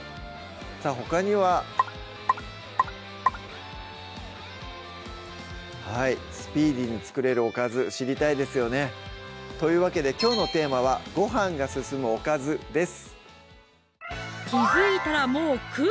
さぁほかにははいスピーディーに作れるおかず知りたいですよねというわけできょうのテーマは「ごはんが進むおかず」です